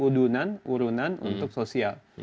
wudunan urunan untuk sosial